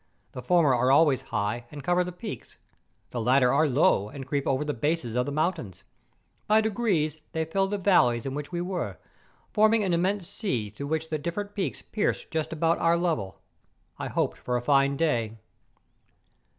The former are always high, and cover the peaks; the latter are low, and creep over the bases of the moun¬ tains. By degrees they filled the valleys in wdiich we were, forming an immense sea through which the different peaks pierced just about our level. I hoped for a fine day.